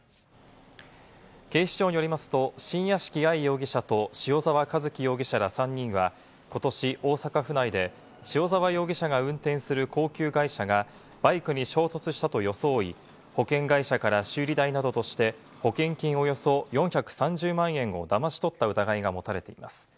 警視庁によりますと、新屋敷愛容疑者と塩沢和輝容疑者ら３人はことし、大阪府内で塩沢容疑者が運転する高級外車がバイクに衝突したと装い、保険会社から修理代などとして保険金およそ４３０万円をだまし取った疑いが持たれています。